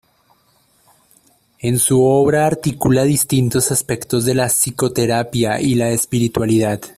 En su obra articula distintos aspectos de la psicoterapia y la espiritualidad.